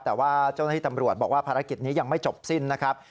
แต่ว่าเจ้าหน้าที่ตำรวจบอกว่าภารกิจนี้ยังไม่จบสิ้นนะครับ